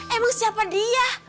emang siapa dia